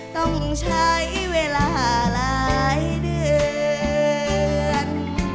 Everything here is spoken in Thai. ต้องใช้เวลาหลายเดือน